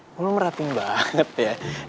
emang lo merhatiin banget ya